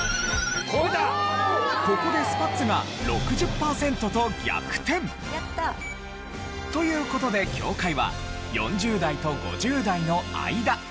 ここでスパッツが６０パーセントと逆転。という事で境界は４０代と５０代の間でした。